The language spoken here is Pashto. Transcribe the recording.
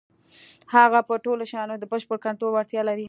هغه پر ټولو شيانو د بشپړ کنټرول وړتيا لري.